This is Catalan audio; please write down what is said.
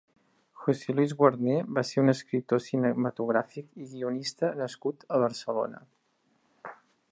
José Luis Guarner va ser un escriptor cinematogràfic i guionista nascut a Barcelona.